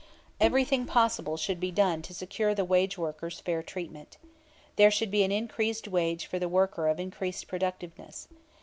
Everything possible should be done to secure the wage workers fair treatment. There should be an increased wage for the worker of increased productiveness.